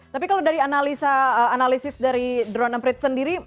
tapi kalau dari analisis dari drona prit sendiri